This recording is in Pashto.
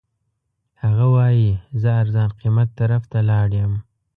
هغه وایي زه ارزان قیمت طرف ته لاړ یم.